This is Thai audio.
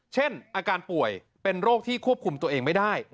เช่นอาการป่วยเป็นโรคที่ควบคุมตัวเองไม่ได้